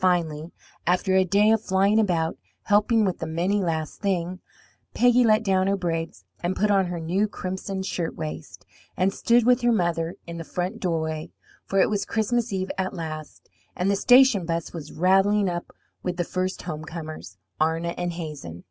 Finally, after a day of flying about, helping with the many last thing, Peggy let down her braids and put on her new crimson shirtwaist, and stood with her mother in the front doorway, for it was Christmas Eve at last, and the station 'bus was rattling up with the first homecomers, Arna and Hazen.